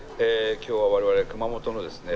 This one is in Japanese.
今日は我々熊本のですね